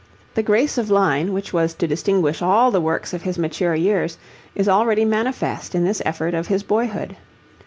The grace of line, which was to distinguish all the works of his mature years, is already manifest in this effort of his boyhood.